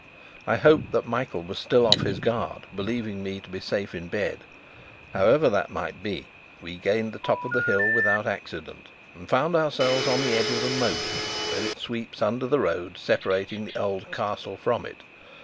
I hoped that Michael was still off his guard, believing me to be safe in bed. However that might be, we gained the top of the hill without accident, and found ourselves on the edge of the moat where it sweeps under the road, separating the Old Castle from it.